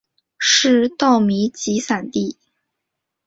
是稻米集散地。